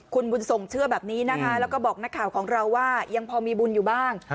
คุณบุญส่งเชื่อแบบนี้นะคะแล้วก็บอกนักข่าวของเราว่ายังพอมีบุญอยู่บ้าง